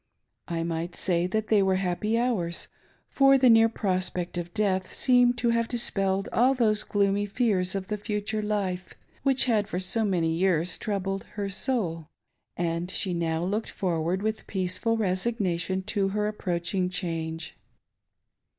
I might say that they were happy hours ; for the near prospect of death seemed to have dispelled ill those gloomy fears of the future life, which had for so many years troubled her soul ; and she now looked forward with peaceful resignation to her approach ingchange.